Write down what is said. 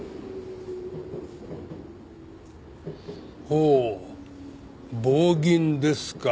ほう棒銀ですか。